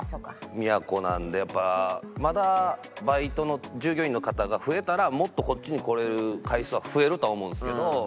宮古なのでやっぱまだバイトの従業員の方が増えたらもっとこっちに来れる回数は増えるとは思うんですけど。